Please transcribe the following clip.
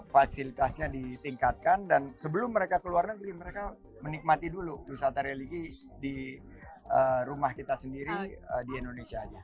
fasilitasnya ditingkatkan dan sebelum mereka ke luar negeri mereka menikmati dulu wisata religi di rumah kita sendiri di indonesia aja